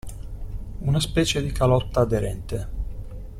Una specie di calotta aderente.